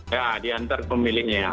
ya diantar pemiliknya